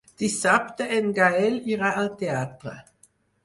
Dissabte en Gaël irà al teatre.